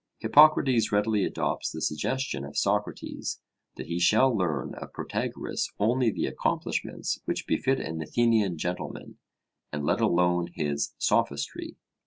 Hippocrates readily adopts the suggestion of Socrates that he shall learn of Protagoras only the accomplishments which befit an Athenian gentleman, and let alone his 'sophistry.'